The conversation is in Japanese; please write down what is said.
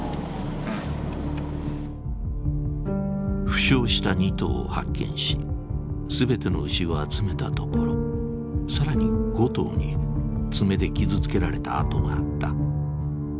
負傷した２頭を発見し全ての牛を集めたところ更に５頭に爪で傷つけられた痕があった。